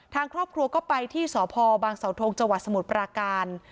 ทางครอบครัวก็ไปที่สพบางสทงจสมุทรปราการ